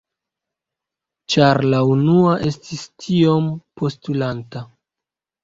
Ĉar la unua estis tiom postulanta.